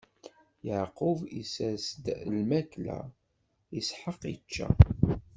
Yeɛqub isers-as-d lmakla, Isḥaq ičča.